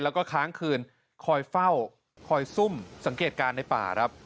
แล้วก็ค้างคืนคอยเฝ้าคอยซุ่มสังเกตการณ์ในป่าครับ